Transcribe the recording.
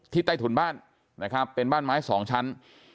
ที่ใต้ถุนบ้านเป็นบ้านไม้๒ชั้น